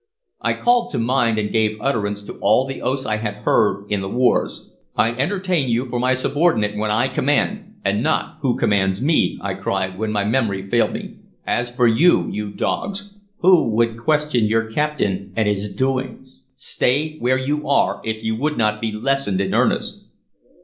I called to mind and gave utterance to all the oaths I had heard in the wars. "I entertain you for my subordinate whom I command, and not who commands me!" I cried, when my memory failed me. "As for you, you dogs, who would question your captain and his doings, stay where you are, if you would not be lessoned in earnest!"